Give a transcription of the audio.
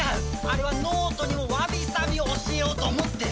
あれは脳人にもわびさびを教えようと思って。